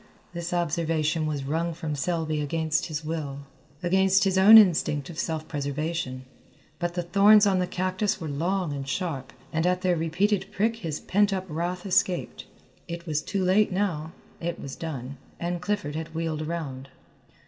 This observation was wrung from Selby against his will, against his own instinct of self preservation, but the thorns on the cactus were long and sharp, and at their repeated prick his pent up wrath escaped. It was too late now; it was done, and Clifford had wheeled around.